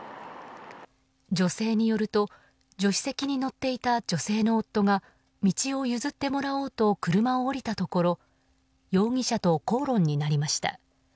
女性によると助手席に乗っていた女性の夫が道を譲ってもらおうと車を降りたところ容疑者と口論になりました。